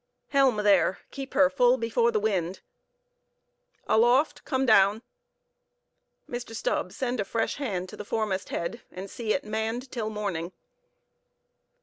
Helm there! keep her full before the wind!—Aloft! come down!—Mr. Stubb, send a fresh hand to the foremast head, and see it manned till morning."